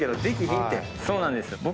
そうなんです。